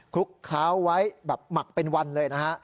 ลุกเคล้าไว้แบบหมักเป็นวันเลยนะฮะ